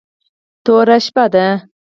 توره شپه ده .